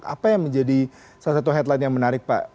apa yang menjadi salah satu headline yang menarik pak